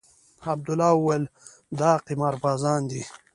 عبدالله وويل دا قمار بازان دي.